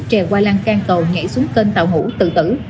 trèo qua lăng can cầu nhảy xuống kênh tàu hũ tự tử